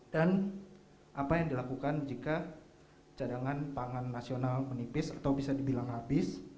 dan apa yang dilakukan jika cadangan pangan nasional menipis atau bisa dibilang habis